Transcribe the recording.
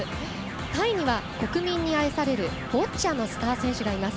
タイには国民に愛されるボッチャのスター選手がいます。